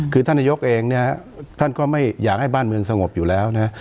คือท่านนายกเองเนี่ยท่านก็ไม่อยากให้บ้านเมืองสงบอยู่แล้วนะ